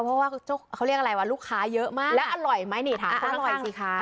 เพราะว่าเขาเรียกอะไรวะลูกค้าเยอะมากแล้วอร่อยไหมนี่ถามคนอร่อยสิคะ